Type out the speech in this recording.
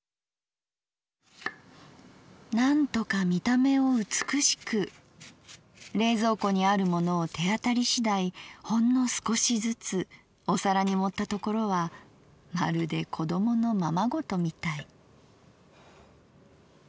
何とか見た眼を美しく冷蔵庫にあるものを手当たり次第ほんのすこしずつお皿に盛ったところはまるで子供のままごとみたい」。